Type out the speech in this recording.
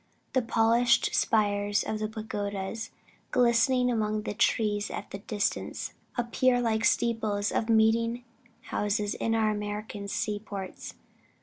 The polished spires of the pagodas, glistening among the trees at a distance, appear like the steeples of meeting houses in our American seaports.